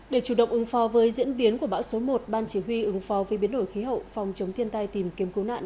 để chủ động ứng phó với diễn biến của bão số một ban chỉ huy ứng phó với biến đổi khí hậu phòng chống thiên tai tìm kiếm cứu nạn